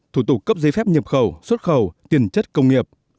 thủ tục cấp giấy phép nhập khẩu xuất khẩu tiền chất công nghiệp